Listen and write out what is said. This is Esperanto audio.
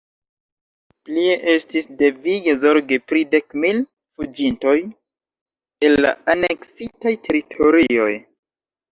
Plie estis devige zorgi pri dek mil fuĝintoj el la aneksitaj teritorioj.